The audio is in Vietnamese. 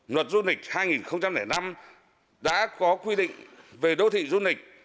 luật du lịch hai nghìn năm đã có quy định về đô thị du lịch